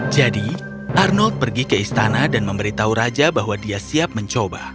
jadi arnold pergi ke istana dan memberitahu raja bahwa dia siap mencoba